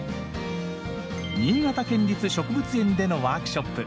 新潟県立植物園でのワークショップ。